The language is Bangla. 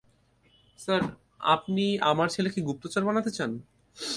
স্যার, আপনি আমার ছেলেকে গুপ্তচর বানাতে চান?